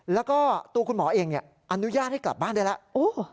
แล้วก็ตัวคุณหมอเองอนุญาตให้กลับบ้านได้แล้ว